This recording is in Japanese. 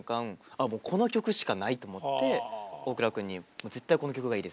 「あもうこの曲しかない」と思って大倉くんに「絶対この曲がいいです。